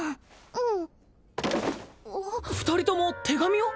うん二人とも手紙を！？